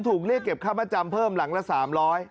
ถูกเรียกเก็บค่ามาจำเพิ่มหลังละ๓๐๐บาท